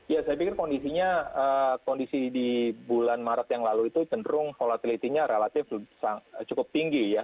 ya saya pikir kondisinya kondisi di bulan maret yang lalu itu cenderung volatility nya relatif cukup tinggi ya